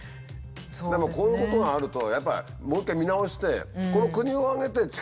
でもこういうことがあるとやっぱりもう一回見直していや本当そうです。